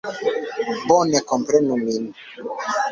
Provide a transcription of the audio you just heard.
Bone komprenu min!